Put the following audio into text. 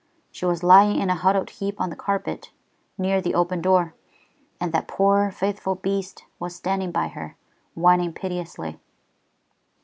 She was lying in a huddled heap on the carpet, near the open door, and that poor, faithful beast was standing by her, whining piteously."